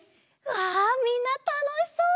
わあみんなたのしそう！